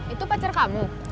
itu pacar kamu